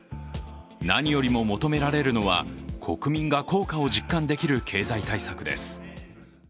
何よりも求められるのは国民が効果を実感できる経済対策です。